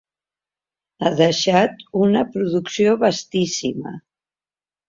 Ha deixat una producció vastíssima.